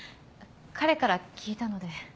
彼から聞いたので。